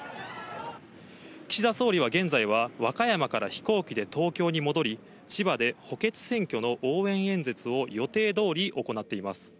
岸田総理は現在は、和歌山から飛行機で東京に戻り、千葉で補欠選挙の応援演説を予定どおり行っています。